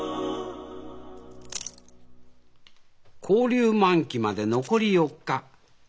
勾留満期まで残り４日。